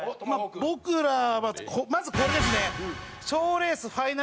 僕らはまずこれですね。